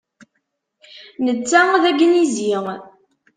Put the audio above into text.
Netta d agnizi.